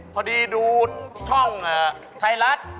พอดีดูท่องไทรัศน์